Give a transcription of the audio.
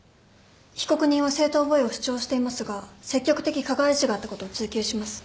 被告人は正当防衛を主張していますが積極的加害意思があったことを追及します。